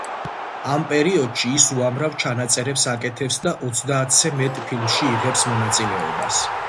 ამ პერიოდში ის უამრავ ჩანაწერს აკეთებს და ოცდაათზე მეტ ფილმში იღებს მონაწილეობას.